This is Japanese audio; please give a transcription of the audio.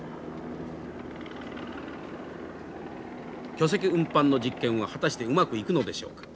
巨石運搬の実験は果たしてうまくいくのでしょうか。